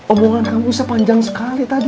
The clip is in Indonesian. omongan kamu sepanjang sekali tadi